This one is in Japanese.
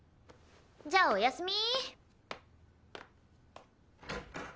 じゃあおやすみ！